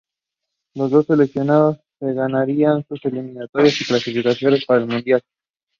Brigadier Bakshi and Major Dyal were awarded the Maha Vir Chakra.